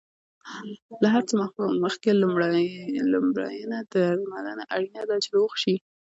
له هر څه مخکې لمرینه درملنه اړینه ده، چې روغ شې.